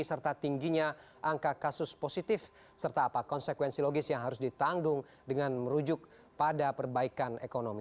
serta tingginya angka kasus positif serta apa konsekuensi logis yang harus ditanggung dengan merujuk pada perbaikan ekonomi